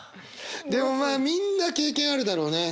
でもまあみんな経験あるだろうね。